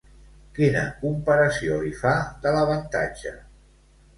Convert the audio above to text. Quina comparació li fa de l'avantatge?